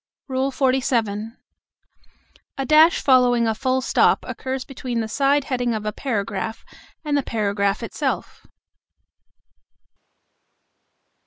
XLVII. A dash following a full stop occurs between the side heading of a paragraph and the paragraph itself.